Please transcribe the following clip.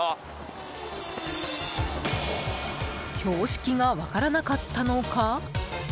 標識が分からなかったのか？